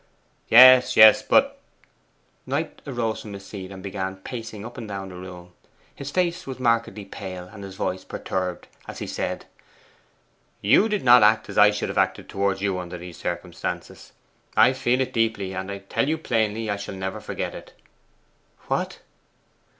'Yes, yes, but' Knight arose from his seat, and began pacing up and down the room. His face was markedly pale, and his voice perturbed, as he said 'You did not act as I should have acted towards you under those circumstances. I feel it deeply; and I tell you plainly, I shall never forget it!' 'What?